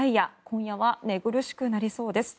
今夜は寝苦しくなりそうです。